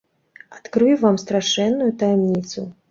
Адкрыю вам страшэнную таямніцу.